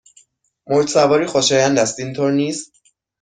موج سواری خوشایند است، اینطور نیست؟